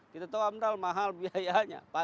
kita tahu amdal mahal biayanya